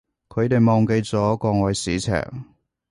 佢哋忘記咗國外市場